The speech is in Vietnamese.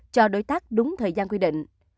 cho đối tác đúng thời gian quy định